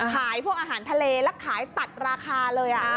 ขายพวกอาหารทะเลแล้วขายตัดราคาเลย